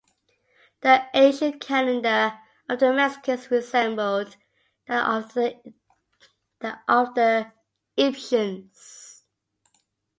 The ancient calendar of the Mexicans resembled that of the Egyptians.